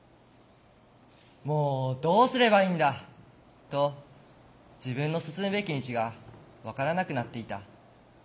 「もうどうすればいいんだ」と自分の進むべき道が分からなくなっていた。